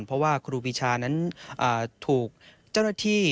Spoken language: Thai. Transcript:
เพราะว่าครูปีชานั้นถูกเจ้าหน้าที่